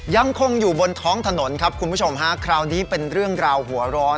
ยังคงอยู่บนท้องถนนครับคุณผู้ชมฮะคราวนี้เป็นเรื่องราวหัวร้อน